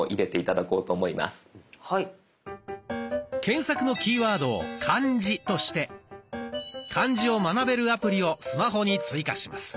検索のキーワードを「漢字」として漢字を学べるアプリをスマホに追加します。